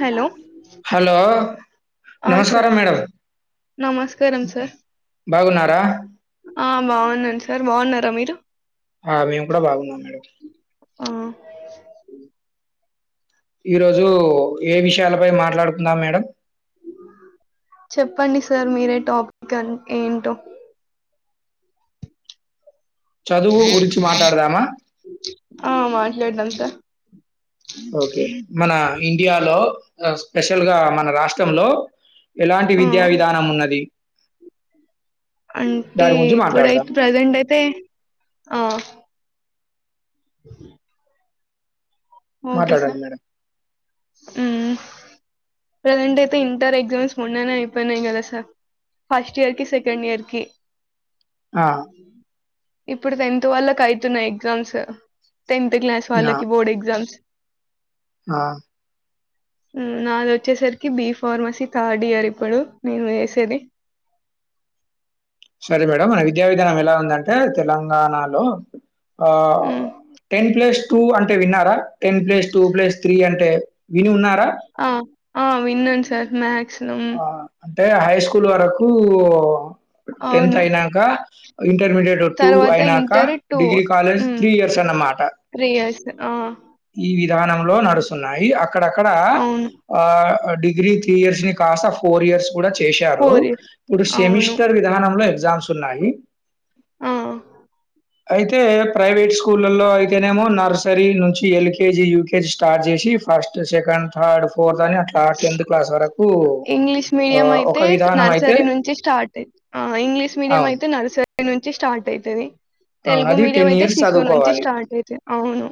Hello hello ఆ నమస్కారం sir madam నమస్కారం సార్ బాగున్నారా ఆ బాగున్నాను సార్ బాగున్నారా మీరు ఆ మేం కూడా బాగున్నాం మేడం ఆ ఈరోజు ఏ విషయాలపై మాట్లాడుకుందాం మేడం చెప్పండి సార్ మీరే టాపిక్ అ ఏంటో చదువు గురించి మాట్లాడదామా ఆ మాట్లాడదాం సార్ ఓకే మన ఇండియాలో స్పెషల్‌ గా మన రాష్ట్రంలో ఎలాంటి ఆ విద్యా విధానం ఉన్నది అంటే దాని గురించి మాట్లాడదాం. ఇప్పుడైతే ప్రెజెంట్ అయితే ఆ ఓకే మాట్లాడండి సార్ మేడం. హ్మ్ ప్రెసెంట్ అయితే ఇంటర్ ఎగ్జామ్స్ మొన్ననే అయిపోయినాయి కదా సార్ ఫస్ట్ ఇయర్ ‌కి సెకండ్ ఇయర్‌ కి ఆ! ఇప్పుడు టెన్త్ వాళ్ళకి అయితున్నాయి ఎగ్జామ్స్ టెన్త్ క్లాస్ నా వాళ్ళకి బోర్డ్ ఎగ్జామ్స్ ఆ మ్మ్ నాది వచ్చేసరికి బి ఫార్మసీ థర్డ్ ఇయర్ ఇప్పుడు నేను వేసేది సరే మేడం మన విద్యా విధానం ఎలా ఉందంటే తెలంగాణలో ఆ మ్మ్ టెన్ ప్లస్ టూ అంటే విన్నారా ten plus two plus three అంటే విని ఉన్నా ఆ ఆ విన్నను సార్ మాక్సిమం టే హై‌ స్కూల్ వరకు టెన్త్ అవును. అయినాక ఇంటర్మీడియట్ టూ తర్వాత అయినాక inter degree college three years అన్నమాట త్రీయర్స్ ఆ ఈ విధానంలో నడుస్తున్నాయి అక్కడక్కడ అవును. ఆ డిగ్రీ తీ ఇయర్స్ ని కాస్త ఫోర్ ఇయర్స్ కూడా చేశారు ఇయర్స్. ఇప్పుడు అవును. సెమిస్టర్ విధానంలో ఎగ్జామ్స్ ఉన్నాయి ఆఆ అయితే ప్రైవేట్ స్కూళ్ళలో అయితేనేమో నర్ సరి నుంచి ఎల్కేజీ యూకేజీ స్టార్ట్ చేసి ఫస్ట్ సెకండ్ థర్డ్ ఫోర్త్ అని అట్లా టెన్త్ క్లాస్ వరకు ఇంగ్లీష్ అ మీడియం ఒక అయితే విధానం అయితే నర్సరీ నుంచి స్టార్ట్ ఆ ఇంగ్లీష్ మీడియం అవును. అయితే నర్సరీ నుంచి స్టార్ట్ అయితది అవును. తెలుగు అది మీడియం అయితే ఇయర్స్ శిశు నుంచి చదువుకోవాలి. స్టార్ట్ అయితే అవును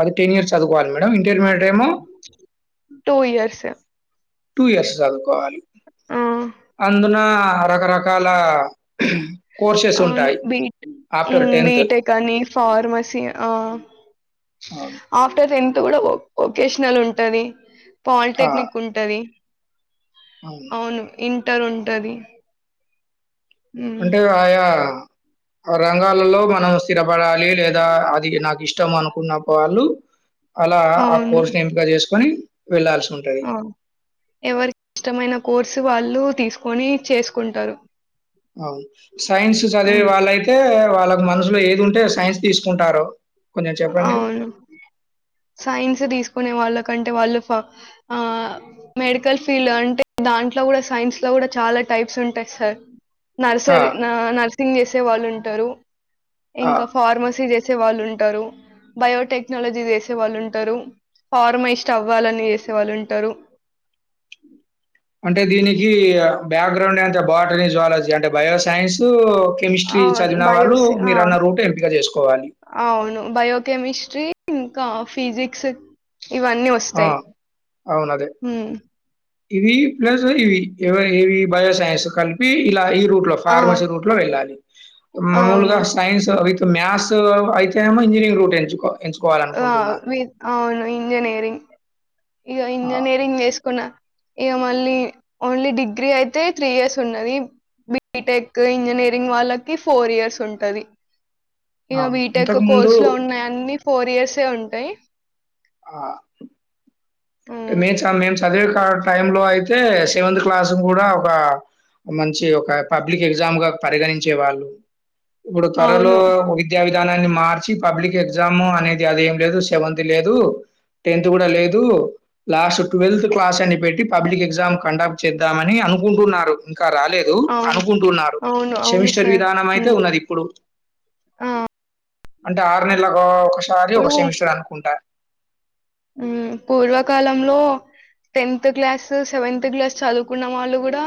అది టెన్ ఇయర్స్ చదుకోవాల మేడం ఇంటర్మీ టూ ఇయర్సే టూ ఇయర్స్ చదువుకోవాలి అందుల రకర కాల కోర్సెస్ అవును. ఉంటాయి ఆఫ్టర్ టెన్త్ ఫార్మసి అ అవును. ఆఫ్టర్ టె న్త్ కూడా ఓ ఓకేషనల్ ఉంటది ఆ! పాలిటెక్నిక్ ఉంటది అవును ఇంటర్ ఉంటది హ్మ్. అంటే ఆయా ఆ రంగాలలో మనం స్థిరపడాలి లేదా అది నాకు ఇష్టం అనుకున్న వాళ్ళు అలా ఆ అవును. కోర్సు ని ఎంపిక చేసుకుని వెళ్లాల్సి ఆ ఎవరికి ఇష్టమైన కోర్సు వాళ్ళు తీసుకొని చేసుకుంటారు అవును సైన్స్ చదివే హ్మ్. వాళ్ళ అయితే వాళ్ళ మనసుులో ఏది ఉంటే సైన్స్ తీసుకుంటారు కొంచెం చెప్పండి? అవును సైన్స్ తీసుకు నే వాళ్ళకంటే వాళ్ళు ఆ మెడికల్ ఫీల్డ్ అంటే దాంట్లో కూడా సైన్స్ లో కూడా చాలా టైప్స్ ఉంటాయి సార్ ఆ! నర్సర నర్సింగ్ చేసే వాళ్ళు ఉంటారు ఆ! ఇంకా ఫార్మసీ చేసే చే వాళ్ళు ఉంటారు బయోటెక్నాలజీ చేసే వాళ్ళు ఉంటారు ఫార్మ ఇస్ట్ అవ్వాలని చేసే వాళ్ళు ఉంటారు అంటే దీనికి బ్యాక్గ్రౌండ్ అంటే బాటనీ జువాలజీ అంటే బయోసైన్సు కెమిస్ట్రీ ఆ! చదివిన వాళ్ళు బయోస్ ఆ! మీరు అన్న రూట్ ఎంపిక చేసుకోవాలి అవును బయోకెమిస్ట్రీ ఇంకా ఫిజిక్స్ ఇవన్నీ ఆ! వస్తాయి అవునదే. మ్మ్ ఇవి ప్లస్ ఇవి ఎవ ఇవి బయోసైన్స్ కలిపి ఇలా రూట్ లో ఆ ఫార్మసీ రూట్ లో వెళ్ళాలి మామూలుగా అవును సైన్స్ అవి ఇక మ్యాథస్ అయితే ఏమో ఇంజనీరింగ్ రూట్ ఎంచుకో ఆ ఎంచుకోవాలనుకుంటున్నా. అవును ఇంజనీరింగ్ ఇక ఆ! ఇంజనీరింగ్ చేసుకున్న ఇ మళీ ఓన్లీ డిగ్రీ అయితే త్రీ ఇయర్స్ ఉన్నది బీటెక్ ఇంజనీరింగ్ వాళ్ళకి ఫోర్ ఇయర్స్ ఉంటది ఇక అవును. బీటెక్ ఇంతకుముందు కోర్సు లో ఉన్నాయి అన్ని ఫోర్ ఇయర్సే ఉంటాయి ఆ ఉమ్, మే మేము చదివే టైం లో అయితే సెవెంత్ క్లాస్ కూడా ఒక మంచి ఒక పబ్లిక్ ఎగ్జామ్ గా పరిగణించే వాళ్ళు ఇప్పుడు త్వరలో అవును విద్యా వి విధానాన్ని మార్చి పబ్లిక్ ఎగ్జాము అనేది అది ఏం లేదు సెవెంత్ లేదు టెన్త్ కూడా లేదు లాస్ట్ ట్వెల్త్ క్లాస్ అని పెట్టి పబ్లిక్ ఎగ్జామ్ కండక్ట్ చేద్దామని అనుకుంటున్నారు ఇకా రాలేదు అవును అనుకుంటున్నారు అవును అవును సెమిస్టర్ సార్ విధానం అయితే ఉమ్, ఉన్నది ఇప్పుడు ఆ, అంటే ఆరు నెలగా ఒకసారి ఒక ఇప్పుడు సెమిస్టర్ అనుకుంటా పూర్వకాలంలో టెన్త్ క్లాస్ సెవెన్త్ క్లాస్ చదువుకున్న వాళ్ళు కూడా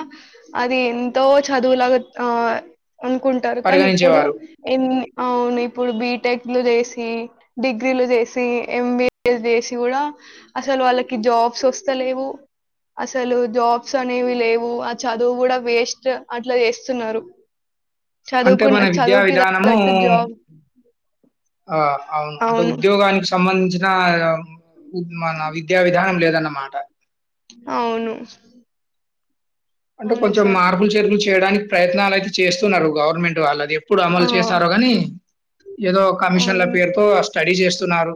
అది ఎంతో చదువులాగా ఆ అనుకుంటారు కానీ ఇప్పుడు పరిగణించేవారు ఎన్ని అవును ఇప్పుడు బీ టెక్లు చేసి డిగ్రీలు చేసి ఎంబిఏ చేసి కూడా అసలు వాళ్ళకి జాబ్స్ వస్తలేవు అసలు జాబ్స్ అనేవి లేవు ఆ చదువు కూడా వేస్ట్ అట్లా చేస్తున్నారు అంటే చదువుకున్న మన విద్యా చదువుకి విధానము తగ్గట్టు జాబ్ ఆ అవును అంటే ఉద్యోగానికి సంబంధించిన మన విద్యా విధానం లేదు న్న మాట అవును అంటే అవును కొంచెం సార్ మార్పులు చెర్పులు చేయడానికి ప్రయత్నాలు అయితే చేస్తున్నారు గవర్నమెంట్ వాళ్ళది ఎప్పుడు ఆ అమలు చేశారో గాని ఏదో కమిషన్ల అవును పేరుతో స్టడీ చేస్తున్నారు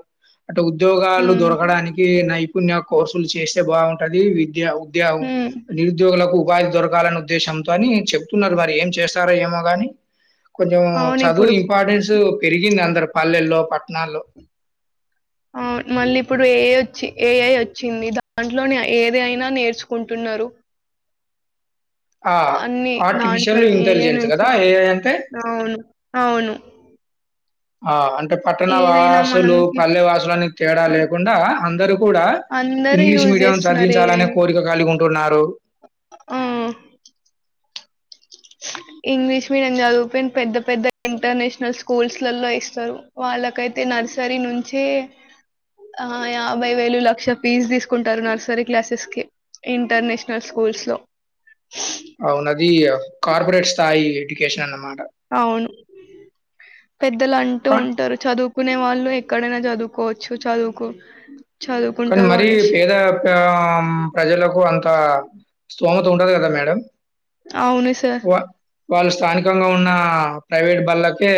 అంటే ఉద్యోగాలు ఉమ్ దొరకడానికి నైపుణ్య కోర్సులు చేస్తే బాగుంటది విద్య హ్మ్. ద నిరుద్యోగ కు వా దొరకలనే ఉద్దేశంతో అని చెప్తున్నారు మరి ఏం చేస్తారో ఏమో గాని కొంచెం అవును చదువు ఇప్పుడు. ఇంపార్టెన్స్ పెరిగింది అందరు పల్లెల్లో పట్టణాల్లో అవును. మళ్ళీ ఇప్పుడు ఏ వచ్చి ఏ అయి వచ్చింది దాంట్లోనే ఏదయినా నేర్చుకుంటున్నారు ఆ అన్ని ఆర్టిఫిషియల్ దాంట్లోని ఏ ఐ ఇంటెలిజెన్స్ నుంచి గదా! ఏఐ అంటే? అవును అవును ఆ అంటే పట్టణ ఏదైనా వాసులు మనకి పల్లె వాసులున్న తేడా లేకుండా అందరు కూడా అందరూ ఇంగ్లీష్ యూజ్ మీడియం జేస్తున్నారు చదివించాలనే ఏఐని. కోరిక కలుగింటున్నారు ఆ ఇంగ్లీష్ మీడియం చదువుపోయిన పెద్ద పెద్ద ఇంటర్నేషనల్ స్కూల్స్ లలో ఇస్తారు వాళ్ళకైతే నర్సర నుంచి ఆ యాభై వేలు లక్ష ఫీజు తీసుకుంటారు నర్సరీ క్లాసెస్ కి ఇంటర్నేషనల్ స్కూల్స్ లో అవునది కార్పొరేట్ స్థాయి ఎడ్యుకేషన్ అన్నమాట అవును పెద్దలు అంటూ కానీ ఉంటారు చదువు కునే వాళ్ళు ఎక్కడైనా చదువుకోవచ్చు చదువుకు కానీ చదువుకుంటారు మరి అనేసి పేద ప్రజలకు అంత స్తోమత ఉండాలి కదా మేడం అవును సార్ వా వాళ్ళు స్థానికంగా ఉన్న ప్రైవేట్ బళ్ళకే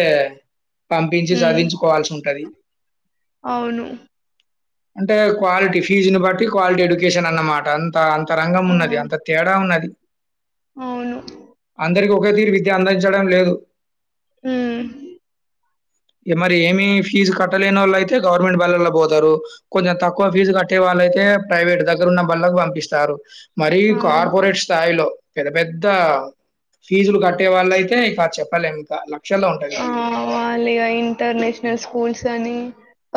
పంపించి ఉమ్, చదిించుకోవాల్సి ఉంటుంది అవును అంటే క్వాలిటీ ఫీజుని బట్టి క్వాలిటీ ఎడ్యుకేషన్ అన్నమాట అంత అంత అంత రంగం ఆ, ఉన్నది అంత తేడా ఉన్నది అవును అందరికకి ఒకే తీరు విద్య అందించడం లేదు ఆ మరి ఏమి ఫీజు కట్టలేని వాళ్ళు అయితే గవర్నమెంట్ బలళ పోతారు కొంచెం తక్కువ ఫీజు కట్టే వాళ్ళుయితే ప్రైవేట్ దగ్గర ఉన్న బళ్ళకు పంపిస్తారు మరిీ అవును కార్పొరేట్ స్థాయిలో పెద్ద పెద్ద ఫీజులు కట్టే వాళ్ళు అయితే కా చెప్ప ఆ మళగా ఇంటర్న్షనల్ స్కూల్స్ కానీ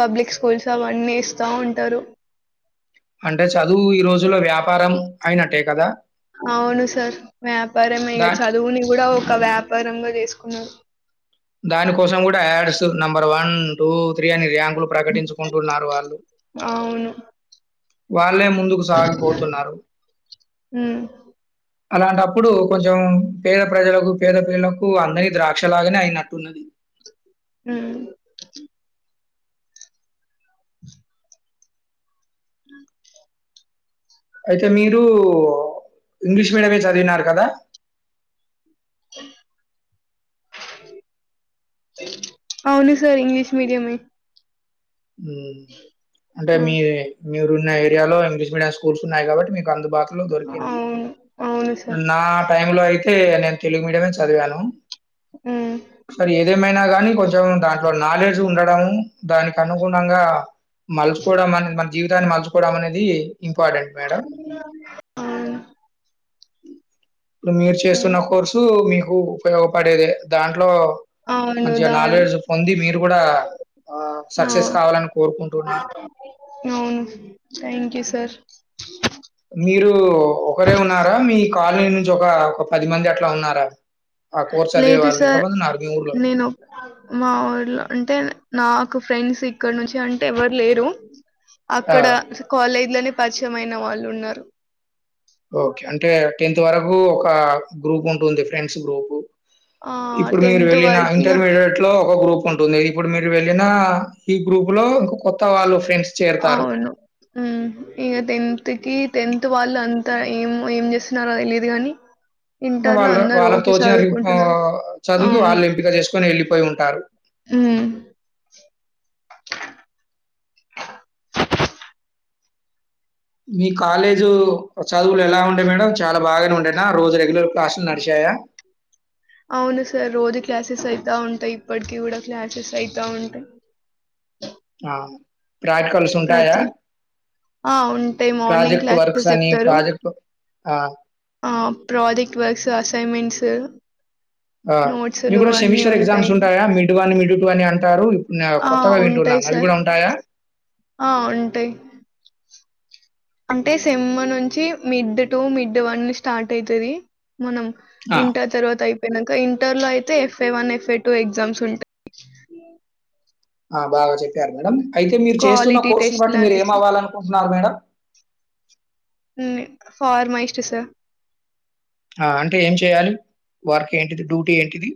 పబ్లిక్ స్కూల్స్ అవన్నీ ఇస్తా ఉంటారు అంటే చదువు ఈ రోజుల్లో వ్యాపారం అయినట్టే కదా అవును సార్ వ్యాపార మక దా చదువునిి కూడాడా ఒక వ్యాపారంగా చేసుకున్నారు దాని కోసం కూడా ads number one two three అని ర్యాంక్ ప్రకటించుకుంటున్నారు వాళ్ళు అవును వాారు వాళ్ళే ముందుకు సాగిపోతున్నారు ఉమ్, అలాంటప్పుడు కొంచెం పేద ప్రజలకు పేద పిల్లలకు అందరి ద్రాక్షలాగానే అయిన ఉన్నది అ అ అయితే మీరు ఇంగ్లీష్ మీడియమే చదివినారు కదా అవును సార్ ఇంగ్లిష్ మీడియమ అంటే ఆ, మీ మీరున్న ఏరియాలో ఇంగ్లీష్ మీడియం స్కూల్స్ ఉన్నాయి కాబట్టి మీకు అందుబాటు దొరికింది అవును అవును సార్ నా టై లో అయితే అే నేను తెలుగు మీడియమే చదివాను ఉమ్. సరి ఏదేమైనా కాగానీ కొ దాంట్లో నాలెడ్జ్ ఉండడంము దానికి అనుగుణంగా మలుచుకోవడం అ మన జీవిత దాన్ని మచుకోవడం అనేది ఇంపార్టెంట్ మేడం. అవును ఇప్పుడు మీరు చేస్తున్న హ్మ్. కోర్సు మీకు ఉపయోగపడేది దాంట్లో అవును. మంచిగా దాన్ నాలెడ్జ్ పొంది మీరు కూడా ఆ అవును థ్యాంక్ యూ సార్ మీరు ఒకరే ఉన్నారా మీ కాలనీ నుంచి ఒక ఒక పది మంది అట్లా ఉన్నారా ఆ కోర్స్ చదివే లేదు వాళ్ళు సార్ ఎంతమంది ఉన్నారు మీ ఊర్లో? నేను మా ఊర్లోఅంటే నాకు ఫ్రెండ్స్ ఇక్కడ నుంచి అంటే ఎవరు లేరు ఆ! అక్కడ కాలేజ్ లోనే పరిచయమైన వాళ్ళు ఉన్నారు ఒహో ఒక గ్రూప్ ఉంటుంది ఫ్రెండ్స్ గ్రూప్ ఆ! ఇప్పుడు మీరు వెళ్ళిన వరకి ఇంటర్మీడియట్ లో ఒక గ్రూప్ ఉంటుంది ఇప్పుడు మీరు వెళ్ళిన ఈ గ్రూప్ లో ఇం అవును మ్ ఇగ టెన్త్ కి టెన్త్ వాళ్ళు అంతా ఏమో ఏం చేస్తున్నారో తెలీదు కాని వాళ్ళ వాళ్ళకు తోచిన ఒ చదువుకి వాళ్ళు ఎంపిక చేసుకుని వెళ్ళిపోయి ఉంటారు ఉమ్ మీ కాలేజు చదువులు ఎలా ఉండే మేడం చాలా బాగానె ఉండేన రోజు రెగ్యలర్ క్లాస్సులు నడిచాయా అవును సార్ రోజు క్లాసెస్ అయితా ఉంటాయి ఇప్పటికిీ కూడా క్లాసెస్ అయితా ఉంటాయి ఆ ప్రాక్టికల్స్ ఉంటాయా ప్రతి ఆ ఉంటాయి మార్నింగ్ ప్రాజెక్ట్ వర్క్స్ క్లాసెస్ అని ప్రాజెక్ట్ ఆ ఆప్రాజెక్ట్ వర్క్స్ అసైన్మెంట్స్ ఆ మీకు నోట్స్లు కూడా అన్నీ సెమిస్టర్ ఎగ్జామ్స్ ఉంటాయి ఉంటాయా మిడ్ వన్ మిడ్ టూ అని అంటారు ఆ కొత్తగా ఉంటాయి వింటున్నాను అవి సార్ కూడా ఉంటాయా ఆ ఉంటాయి అంటే సెమ్ నుంచి mid two mid one start అయితది మనం ఆ, ఇంటర్‌ తర్వాత అయి పోనాక ఇంటర్ లో అయితే FA one FA two exams ఉంటాయి ఆ బాగా చెప్పారు మేడం అయితే మీరు చేస్తున్న క్వాలిటీ కోర్సును బట్టి టెస్ట్లు మీరు ఏమ అనేసి అవ్వాల అనుకుంటున్నారు మేడం ఉంది పార్మా ఇష్టస ఆ అంటే ఏం చెయాలి వర్క్ ఏంటిది డ్యూటీ ఏంటిది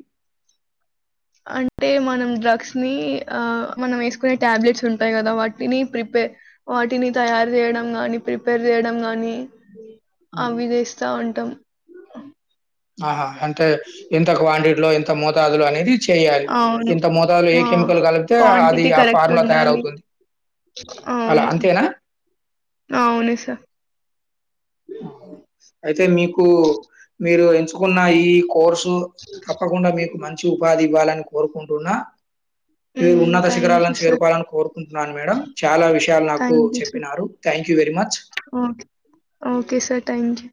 అంటే మనం డ్రగ్స్ ని ఆ మనం వేసుకునే టాబ్లెట్స్ ఉంటాయి కదా వాటిని ప్రిపే వాటిని తయారు చేయడం ని ప్రిపేర్ చేయడం గాని ఉమ్, అవి చేస్తా ఉంటాం ఆహా అంటే ఎంత క్వాన్టిటి లో ఎంత మోతాదులో అనేది చెయాలి అవును. ఇంత మోతాలో ఏ ఆ! కెమికల్ కలిపితే అది క్వాంటిటీ ఆ కరెక్ట్ ఫార్ములా ఉండాలి. తయారవుతుంది అలా అవును అంతేనా అవును సార్ అయితే మీకు మీరు ఎంచుకున్న ఈ కోర్సు తప్పకుండా మీకు మంచి ఉపాధి ఇవ్వాలని కోరుకుంటున్నా మీ హ్మ్. ఉన్నత థ్యాంక్ యూ శిఖరాలను సార్. చేరుకోవాలని కోరుకుంటున్నాను మేడం చాలా విషయాలు నాకు థ్యాంక్ యూ సార్. చెప్పినారు thank you very much okay. Okay sir. Thank